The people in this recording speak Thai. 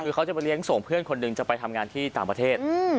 คือเขาจะไปเลี้ยงส่งเพื่อนคนหนึ่งจะไปทำงานที่ต่างประเทศ